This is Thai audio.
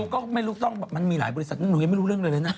ก็ไม่รู้ต้องมันมีหลายบริษัทหนูยังไม่รู้เรื่องเลยเลยนะ